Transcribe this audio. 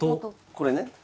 これね。